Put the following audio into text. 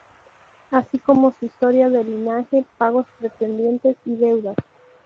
Así como su historia de linaje, pagos pendientes y deudas.